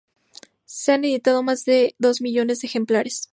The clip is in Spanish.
Se han editado más de dos millones de ejemplares.